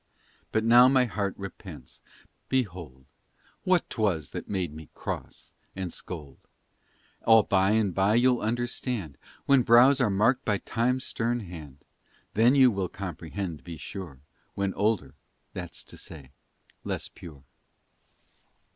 But now my heart repents. Behold What 'twas that made me cross, and scold! All by and by you'll understand, When brows are mark'd by Time's stern hand; Then you will comprehend, be sure, When older that's to say, less pure.